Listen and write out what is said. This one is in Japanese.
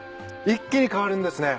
一気に変わるんですね。